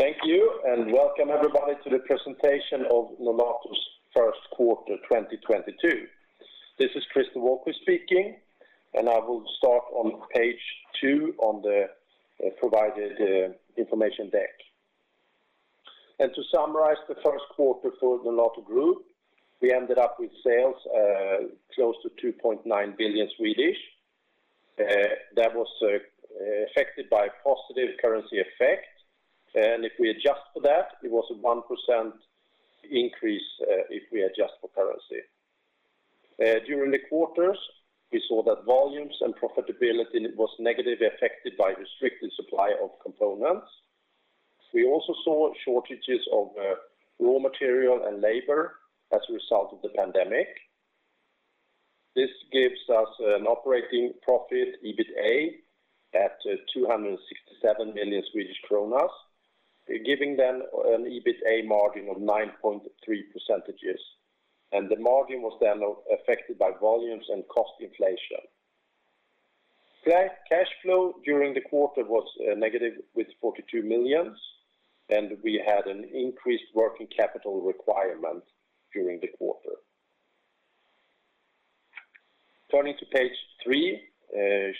Thank you, and welcome everybody to the presentation of Nolato's Q1 2022. This is Christer Wahlquist speaking, and I will start on page two on the provided information deck. To summarize the Q1 for Nolato Group, we ended up with sales close to 2.9 billion. That was affected by positive currency effect. If we adjust for that, it was a 1% increase if we adjust for currency. During the quarter, we saw that volumes and profitability was negatively affected by restricted supply of components. We also saw shortages of raw material and labor as a result of the pandemic. This gives us an operating profit, EBITA, at SEK 267 million, giving an EBITA margin of 9.3%. Margin was then affected by volumes and cost inflation. Cash flow during the quarter was negative 42 million, and we had an increased working capital requirement during the quarter. Turning to page three,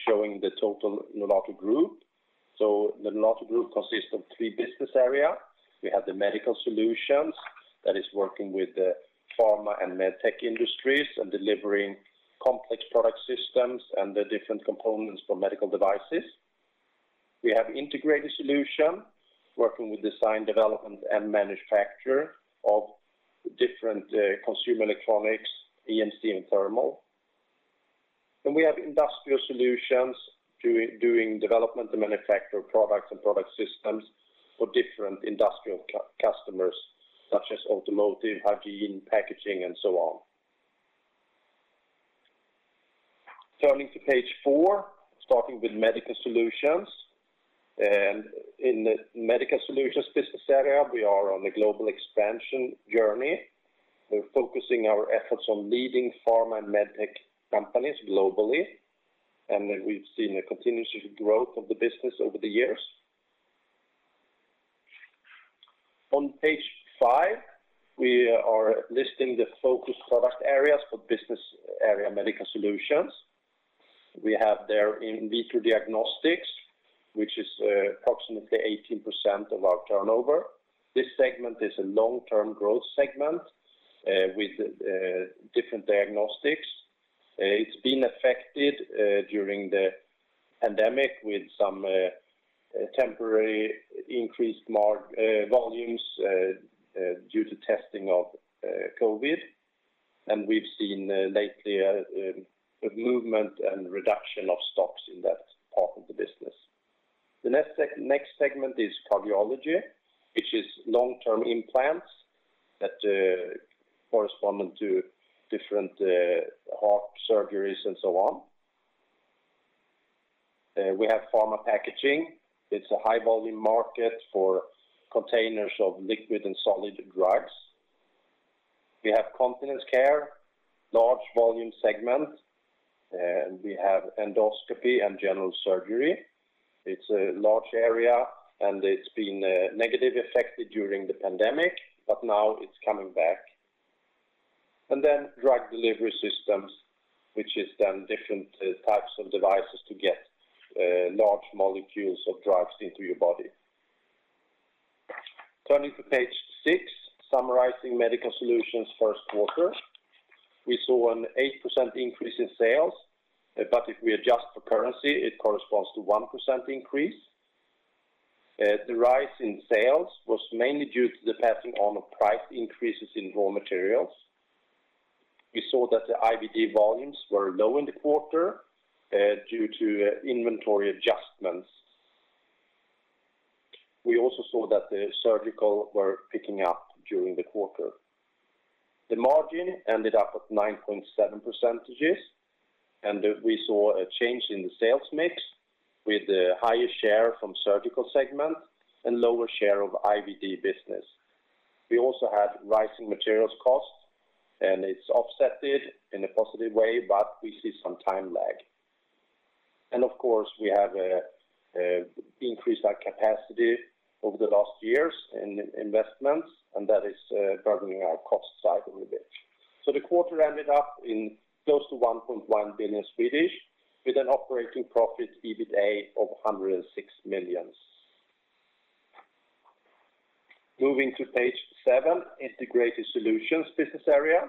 showing the total Nolato Group. Nolato Group consists of three business areas. Medical Solutions works with the pharma and med tech industries and delivers complex product systems and different components for medical devices. Integrated Solutions works with design, development, and manufacture of different consumer electronics, EMC, and thermal. Industrial Solutions does development and manufacture of products and product systems for different industrial customers such as automotive, hygiene, packaging, and so on. Turning to page four, starting with Medical Solutions. In the Medical Solutions business area, we are on a global expansion journey. We're focusing our efforts on leading pharma and med tech companies globally, and we've seen a continuous growth of the business over the years. On page five, we are listing the focus product areas for business area Medical Solutions. We have there in vitro diagnostics, which is approximately 18% of our turnover. This segment is a long-term growth segment with different diagnostics. It's been affected during the pandemic with some temporary increased volumes due to testing of COVID. We've seen lately movement and reduction of stocks in that part of the business. The next segment is cardiology, which is long-term implants that correspond to different heart surgeries and so on. We have pharma packaging. It's a high volume market for containers of liquid and solid drugs. We have continence care, large volume segment. We have endoscopy and general surgery. It's a large area, and it's been negatively affected during the pandemic, but now it's coming back. Drug delivery systems, which is then different types of devices to get large molecules of drugs into your body. Turning to page six, summarizing Medical Solutions Q1. We saw an 8% increase in sales, but if we adjust for currency, it corresponds to 1% increase. The rise in sales was mainly due to the passing on of price increases in raw materials. We saw that the IVD volumes were low in the quarter due to inventory adjustments. We also saw that the surgical were picking up during the quarter. The margin ended up at 9.7%, and we saw a change in the sales mix with a higher share from surgical segment and lower share of IVD business. We also had rising materials costs, and it's offset in a positive way, but we see some time lag. Of course, we have increased our capacity over the last years in investments, and that is burdening our cost side a little bit. The quarter ended up close to 1.1 billion with an operating profit EBITA of 106 million. Moving to page seven, Integrated Solutions business area.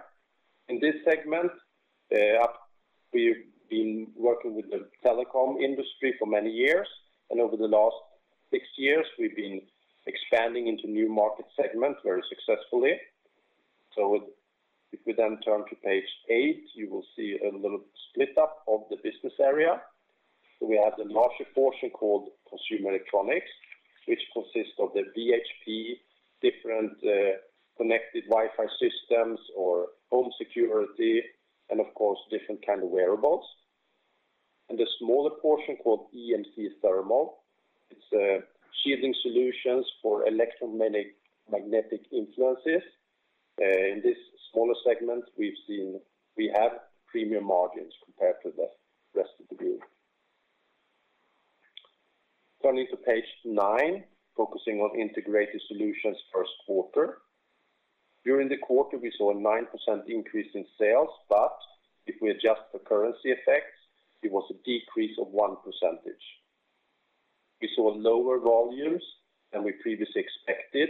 In this segment, we've been working with the telecom industry for many years, and over the last six years, we've been expanding into new market segments very successfully. If we then turn to page eight, you will see a little split up of the business area. We have the larger portion called Consumer Electronics, which consists of the VHP, different connected Wi-Fi systems or home security, and of course, different kind of wearables. A smaller portion called EMC Thermal. It's shielding solutions for electromagnetic influences in this smaller segment. We've seen we have premium margins compared to the rest of the group. Turning to page nine, focusing on Integrated Solutions Q1. During the quarter, we saw a 9% increase in sales, but if we adjust the currency effects, it was a decrease of 1%. We saw lower volumes than we previously expected,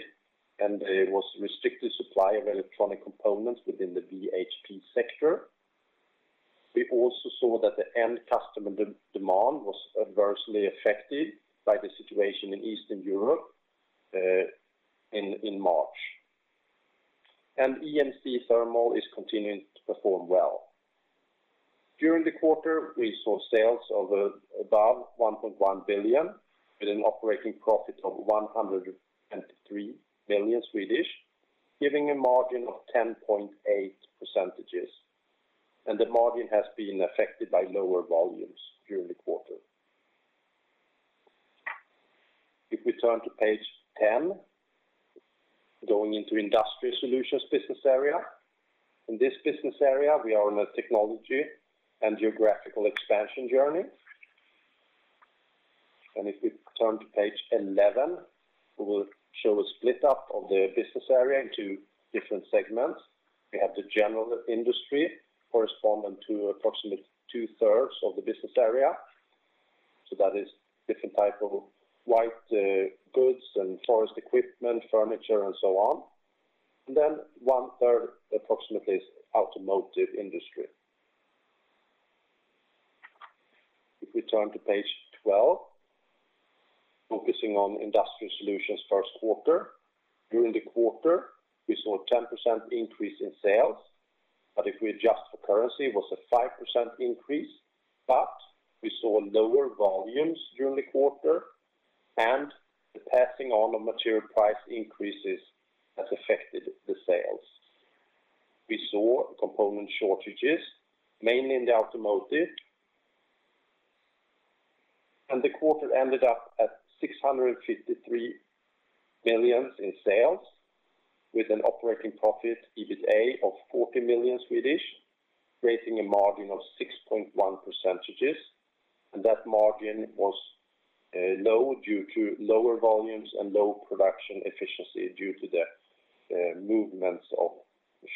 and there was restricted supply of electronic components within the VHP sector. We also saw that the end customer demand was adversely affected by the situation in Eastern Europe in March. EMC Thermal is continuing to perform well. During the quarter, we saw sales of above 1.1 billion, with an operating profit of 103 million, giving a margin of 10.8%. The margin has been affected by lower volumes during the quarter. If we turn to page 10, going into Industrial Solutions business area. In this business area, we are on a technology and geographical expansion journey. If we turn to page 11, we will show a split up of the business area into different segments. We have the general industry corresponding to approximately two-thirds of the business area. So that is different type of white goods and forest equipment, furniture, and so on. 1/3 approximately, is automotive industry. If we turn to page 12, focusing on Industrial Solutions Q1. During the quarter, we saw a 10% increase in sales, but if we adjust for currency, it was a 5% increase. We saw lower volumes during the quarter, and the passing on of material price increases has affected the sales. We saw component shortages, mainly in the automotive. The quarter ended up at 653 million in sales, with an operating profit, EBITA, of 40 million, raising a margin of 6.1%. That margin was low due to lower volumes and low production efficiency due to the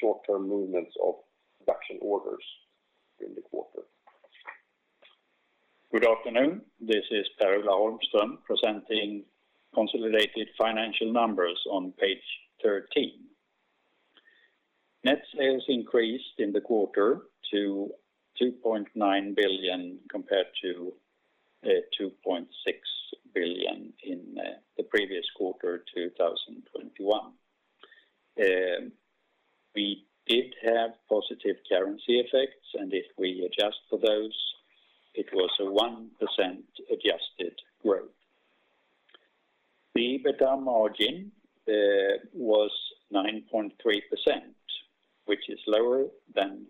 short-term movements of production orders during the quarter. Good afternoon, this is Per-Ola Holmström presenting consolidated financial numbers on page 13. Net sales increased in the quarter to 2.9 billion compared to 2.6 billion in the previous quarter, 2021. We did have positive currency effects, and if we adjust for those, it was a 1% adjusted growth. The EBITA margin was 9.3%, which is lower than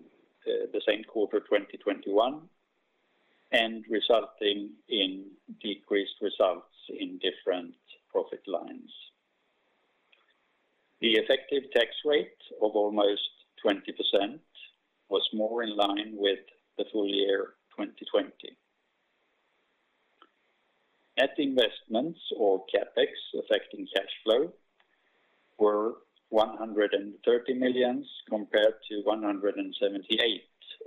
the same quarter, 2021, and resulting in decreased results in different profit lines. The effective tax rate of almost 20% was more in line with the full year 2020. Net investments or CapEx affecting cash flow were 130 million compared to 178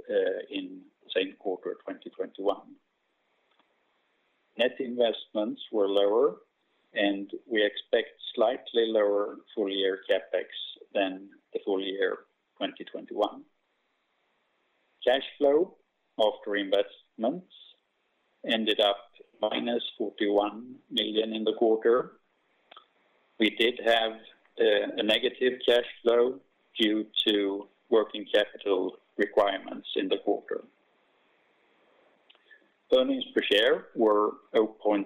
million in the same quarter, 2021. Net investments were lower, and we expect slightly lower full year CapEx than the full year, 2021. Cash flow after investments ended up -41 million in the quarter. We did have a negative cash flow due to working capital requirements in the quarter. Earnings per share were 0.75.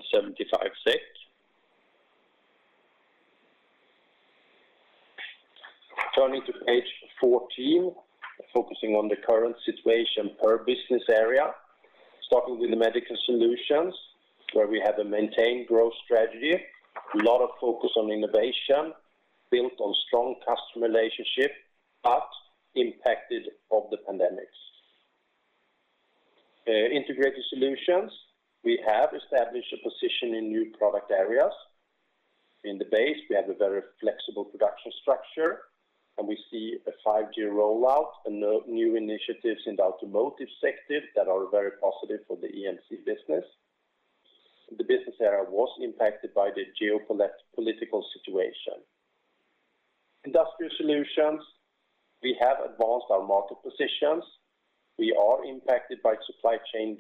Turning to page 14, focusing on the current situation per business area. Starting with Medical Solutions, where we have a maintained growth strategy, a lot of focus on innovation, built on strong customer relationships, but impacted by the pandemic. Integrated Solutions, we have established a position in new product areas. In the base, we have a very flexible production structure, and we see a five year rollout of new initiatives in the automotive sector that are very positive for the EMC business. The business area was impacted by the geopolitical situation. Industrial Solutions, we have advanced our market positions. We are impacted by supply chain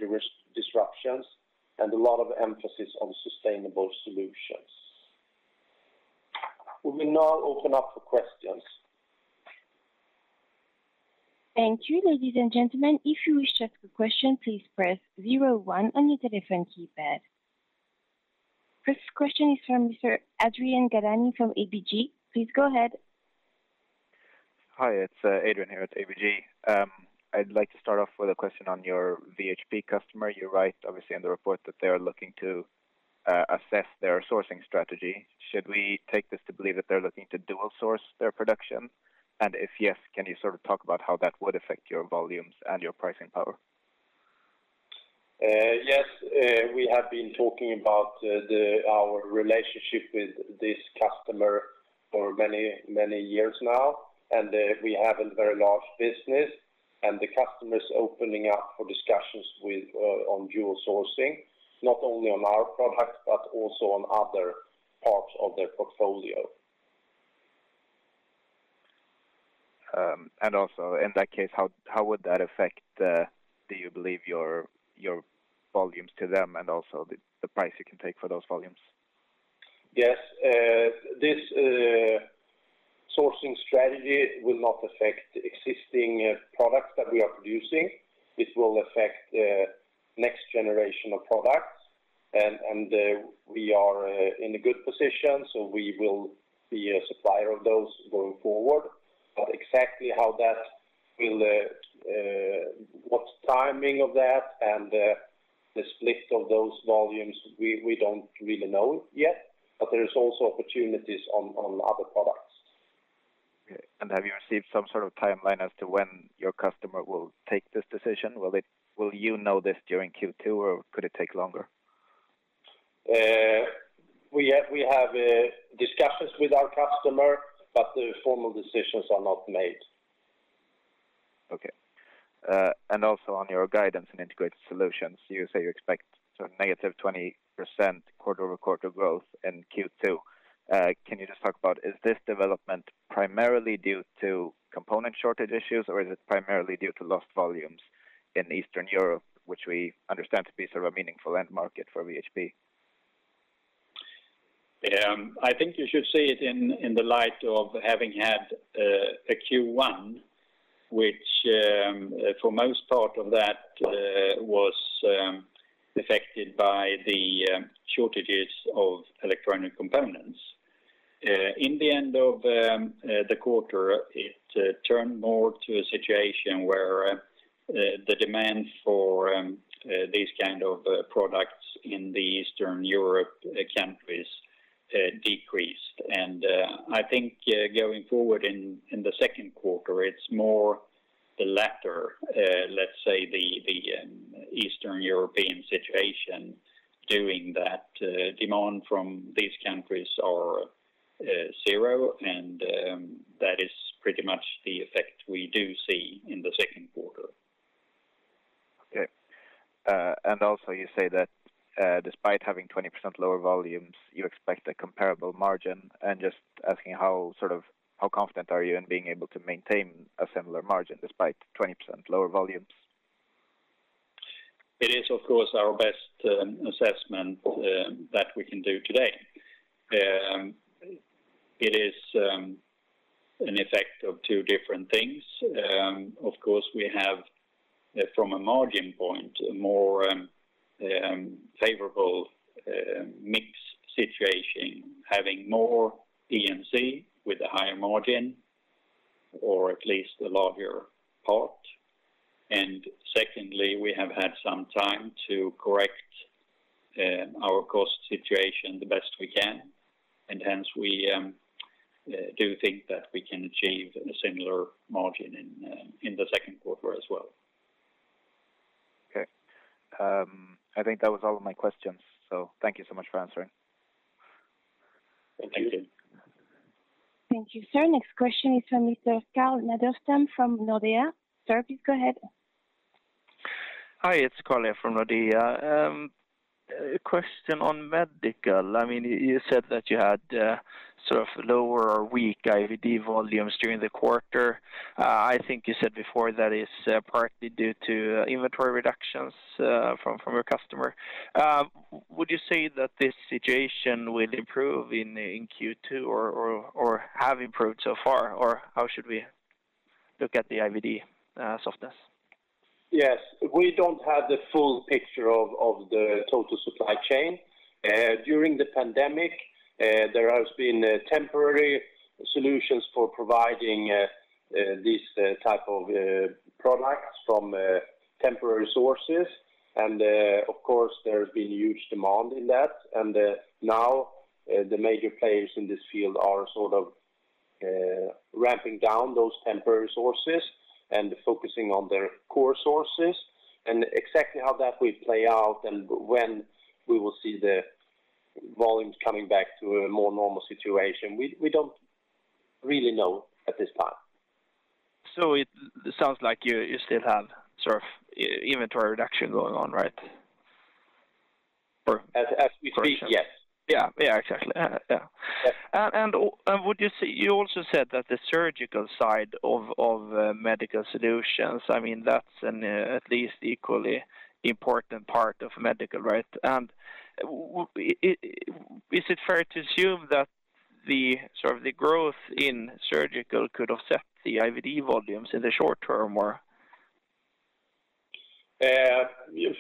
disruptions and a lot of emphasis on sustainable solutions. We will now open up for questions. Thank you. Ladies and gentlemen, if you wish to ask a question, please press zero-one on your telephone keypad. First question is from Mr. Adrian Gilani from ABG. Please go ahead. Hi, it's Adrian here at ABG. I'd like to start off with a question on your VHP customer. You're right, obviously, on the report that they are looking to assess their sourcing strategy. Should we take this to believe that they're looking to dual source their production? And if yes, can you sort of talk about how that would affect your volumes and your pricing power? Yes, we have been talking about our relationship with this customer for many, many years now, and we have a very large business, and the customer is opening up for discussions with on dual sourcing, not only on our product but also on other parts of their portfolio. Also, in that case, how would that affect, do you believe, your volumes to them and also the price you can take for those volumes? Yes. This sourcing strategy will not affect existing products that we are producing. It will affect next generation of products. We are in a good position, so we will be a supplier of those going forward. The timing of that and the split of those volumes, we don't really know yet, but there is also opportunities on other products. Okay. Have you received some sort of timeline as to when your customer will take this decision? Will you know this during Q2, or could it take longer? We have discussions with our customer, but the formal decisions are not made. Okay. Also on your guidance in Integrated Solutions, you say you expect sort of -20% quarter-over-quarter growth in Q2. Can you just talk about, is this development primarily due to component shortage issues, or is it primarily due to lost volumes in Eastern Europe, which we understand to be sort of a meaningful end market for VHP? I think you should see it in the light of having had a Q1, which for most part of that was affected by the shortages of electronic components. In the end of the quarter, it turned more to a situation where the demand for these kind of products in the Eastern Europe countries decreased. I think going forward in the Q2, it's more the latter, let's say the Eastern European situation doing that. Demand from these countries are zero, and that is pretty much the effect we do see in the Q2. Okay. Also you say that, despite having 20% lower volumes, you expect a comparable margin. Just asking how confident are you in being able to maintain a similar margin despite 20% lower volumes? It is, of course, our best assessment that we can do today. It is an effect of two different things. Of course, we have from a margin point a more favorable mix situation, having more EMC with a higher margin, or at least a larger part. Secondly, we have had some time to correct our cost situation the best we can, and hence we do think that we can achieve a similar margin in the Q2 as well. Okay. I think that was all of my questions, so thank you so much for answering. Thank you. Thank you, sir. Next question is from Mr. Carl Ragnerstam from Nordea. Sir, please go ahead. Hi, it's Carl from Nordea. A question on Medical. I mean, you said that you had sort of lower or weak IVD volumes during the quarter. I think you said before that is partly due to inventory reductions from your customer. Would you say that this situation will improve in Q2 or have improved so far, or how should we look at the IVD softness? Yes. We don't have the full picture of the total supply chain. During the pandemic, there has been temporary solutions for providing these type of products from temporary sources. Of course, there's been huge demand in that. Now, the major players in this field are sort of ramping down those temporary sources and focusing on their core sources. Exactly how that will play out and when we will see the volumes coming back to a more normal situation, we don't really know at this time. It sounds like you still have sort of inventory reduction going on, right? As we speak, yes. Yeah. Yeah, exactly. Yeah. Yeah. Would you say you also said that the surgical side of Medical Solutions, I mean, that's at least equally important part of Medical, right? Is it fair to assume that sort of the growth in surgical could offset the IVD volumes in the short term, or?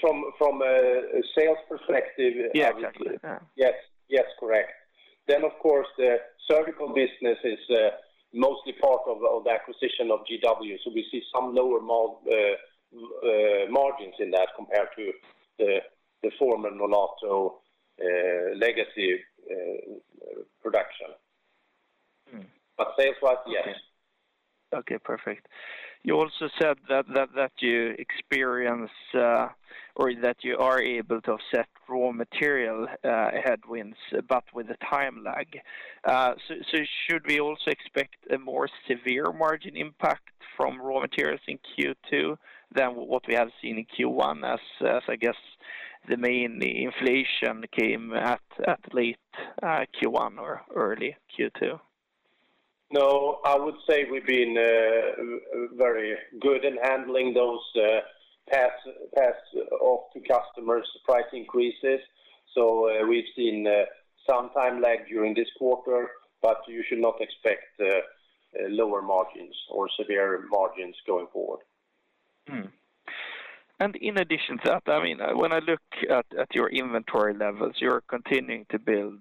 From a sales perspective. Yeah, exactly. Yeah. Yes. Yes, correct. Of course, the surgical business is mostly part of the acquisition of GW. So we see some lower margins in that compared to the former Nolato legacy production. Mm. Sales was yes. Okay. Perfect. You also said that you experience or that you are able to offset raw material headwinds, but with a time lag. Should we also expect a more severe margin impact from raw materials in Q2 than what we have seen in Q1 as I guess the main inflation came at late Q1 or early Q2? No. I would say we've been very good in handling those pass on to customers price increases. We've seen some time lag during this quarter, but you should not expect lower margins or severe margins going forward. In addition to that, I mean, when I look at your inventory levels, you're continuing to build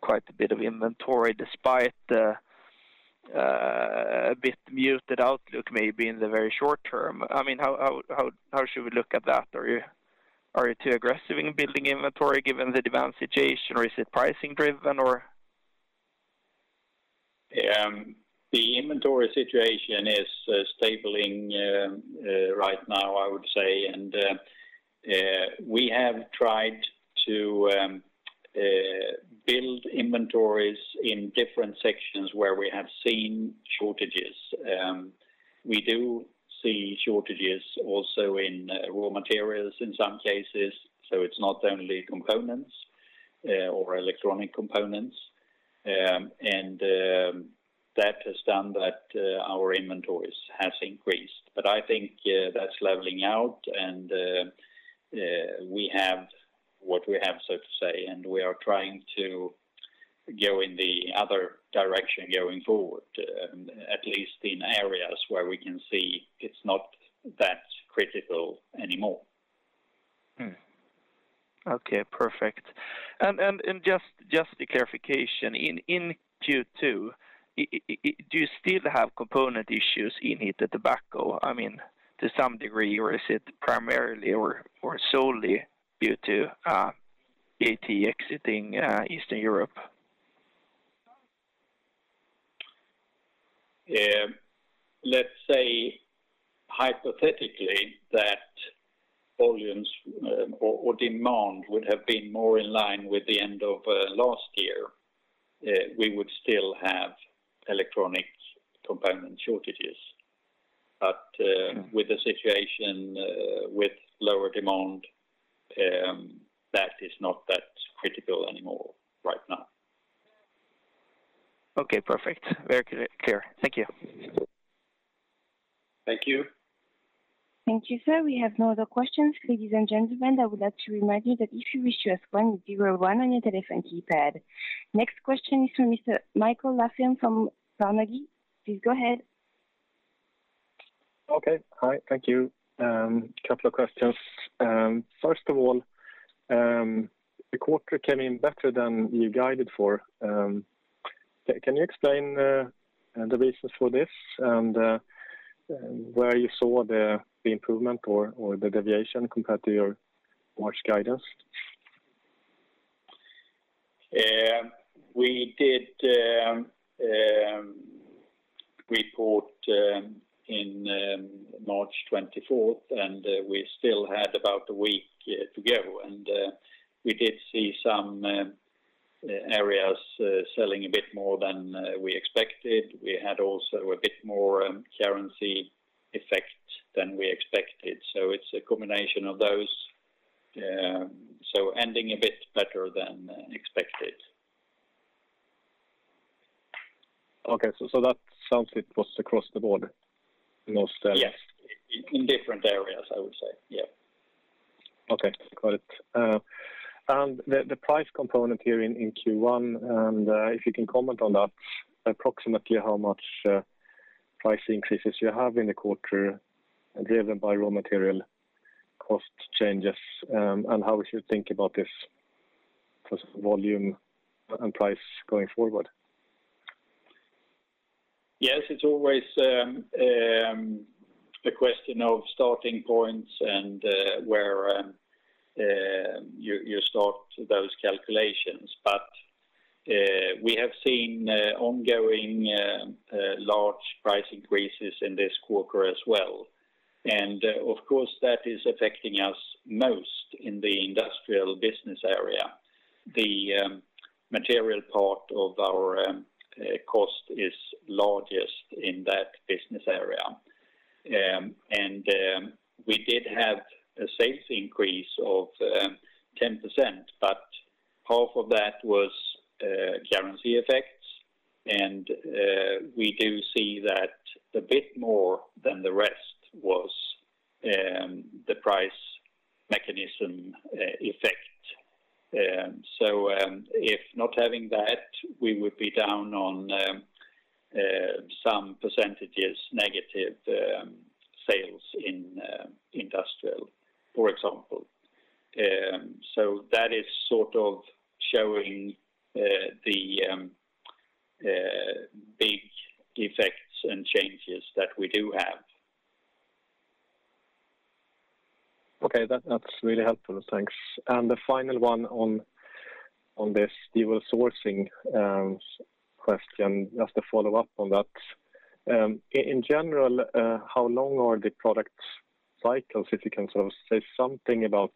quite a bit of inventory despite a bit muted outlook maybe in the very short term. I mean, how should we look at that? Are you too aggressive in building inventory given the demand situation or is it pricing driven or? The inventory situation is stabilizing right now, I would say. We have tried to build inventories in different sections where we have seen shortages. We do see shortages also in raw materials in some cases. It's not only components or electronic components. That has meant that our inventories has increased. I think that's leveling out and we have what we have so to say, and we are trying to go in the other direction going forward, at least in areas where we can see it's not that critical anymore. Okay. Perfect. Just a clarification. In Q2, do you still have component issues in heated tobacco? I mean, to some degree, or is it primarily or solely due to AT exiting Eastern Europe? Let's say hypothetically that volumes or demand would have been more in line with the end of last year, we would still have electronic component shortages. Mm. With the situation with lower demand, that is not that critical anymore right now. Okay. Perfect. Very clear. Thank you. Thank you. Thank you, sir. We have no other questions. Ladies and gentlemen, I would like to remind you that if you wish to ask one, zero one on your telephone keypad. Next question is from Mr. Mikael Laséen from Carnegie. Please go ahead. Okay. Hi, thank you. Couple of questions. First of all, the quarter came in better than you guided for. Can you explain the reasons for this and where you saw the improvement or the deviation compared to your March guidance? We did report in March 24th, and we still had about a week to go. We did see some areas selling a bit more than we expected. We had also a bit more currency effect than we expected. It's a combination of those, so ending a bit better than expected. That sounds like it was across the board in most areas? Yes. In different areas, I would say. Yeah. Okay. Got it. The price component here in Q1, if you can comment on that, approximately how much price increases you have in the quarter driven by raw material cost changes, and how we should think about this volume and price going forward? Yes, it's always a question of starting points and where you start those calculations. We have seen ongoing large price increases in this quarter as well. Of course, that is affecting us most in the industrial business area. The material part of our cost is largest in that business area. We did have a sales increase of 10%, but half of that was currency effects. We do see that a bit more than the rest was the price mechanism effect. If not having that, we would be down on some percentages negative sales in For example. That is sort of showing the big effects and changes that we do have. Okay. That's really helpful. Thanks. The final one on this dual sourcing question, just a follow-up on that. In general, how long are the product cycles, if you can sort of say something about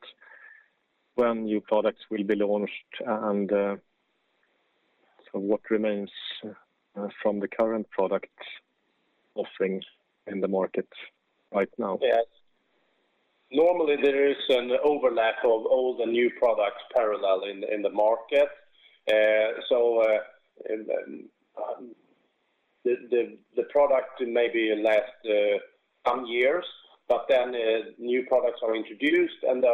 when new products will be launched and so what remains from the current product offerings in the market right now? Yes. Normally, there is an overlap of old and new products parallel in the market. The product may last some years, but then new products are introduced and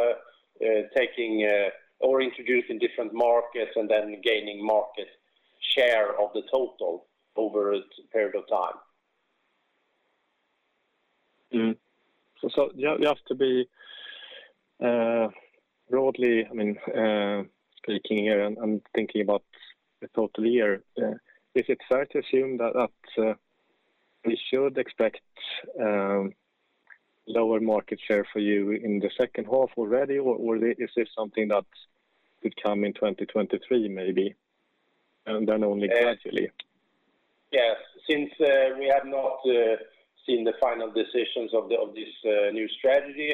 introduced in different markets and then gaining market share of the total over a period of time. Just to be broadly, I mean, speaking here and I'm thinking about the total year, is it fair to assume that we should expect lower market share for you in the second half already or is this something that could come in 2023 maybe, and then only gradually? Yes. Since we have not seen the final decisions of this new strategy,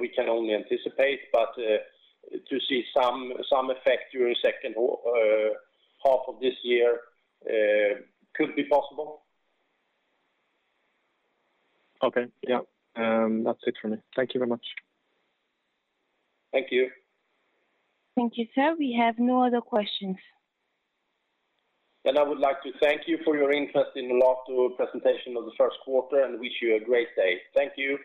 we can only anticipate. To see some effect during second half of this year could be possible. Okay. Yeah. That's it for me. Thank you very much. Thank you. Thank you, sir. We have no other questions. I would like to thank you for your interest in the Nolato presentation of the first quarter and wish you a great day. Thank you.